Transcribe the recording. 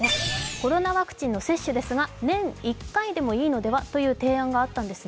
コロナワクチンの接種ですが、年１回でもいいのではという提案があったんですね。